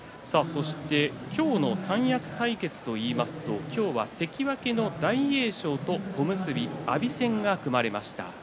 今日の三役対決といえば関脇の大栄翔と小結阿炎戦が組まれました。